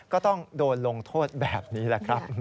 ก็ต้องโดนลงโทษแบบนี้แหละครับ